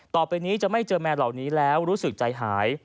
ต่อไปนี้จะไม่เจอแมวเหล่านี้แล้วรู้สึกใจหาย